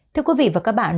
thưa quý vị và các bạn